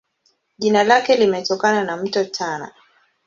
Jina lake limetokana na Mto Tana.